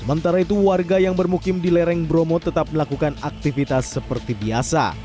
sementara itu warga yang bermukim di lereng bromo tetap melakukan aktivitas seperti biasa